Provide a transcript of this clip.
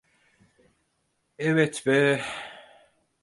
Evet ve…